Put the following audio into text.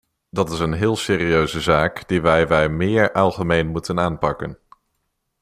Dat is een heel serieuze zaak, die wij wij meer algemeen moeten aanpakken.